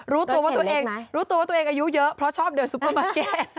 รู้ตัวว่าตัวเองอายุเยอะเพราะชอบเดินซูเปอร์มาร์เก็ต